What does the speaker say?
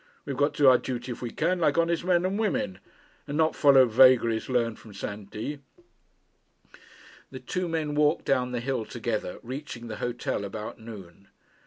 We've got to do our duty if we can, like honest men and women; and not follow vagaries learned from Saint Die.' The two men walked down the hill together, reaching the hotel about noon.